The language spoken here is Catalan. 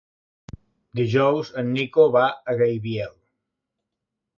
Dijous en Nico va a Gaibiel.